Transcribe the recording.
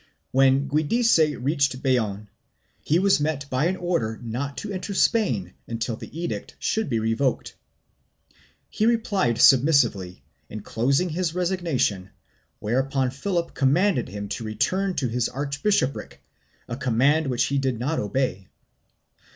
When Giudice reached Bayonne he was met by an order not to enter Spain until the edict should be revoked. He replied submissively, enclosing his resignation, whereupon Philip commanded him to return to his archbishopric — a command which he did not obey.